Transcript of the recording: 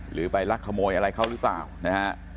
หรือไปลักขโมยอะไรเขาหรือเปล่านะฮะ